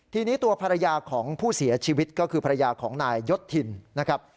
ทีนี้ตัวภรรยาของผู้เสียชีวิตก็คือภรรยาของนายยศถิ่นนะครับ